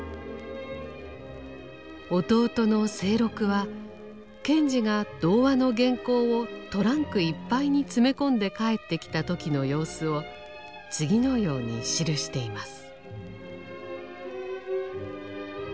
弟の清六は賢治が童話の原稿をトランクいっぱいに詰め込んで帰ってきた時の様子を次のように記しています。